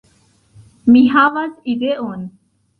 Mi havas ideon!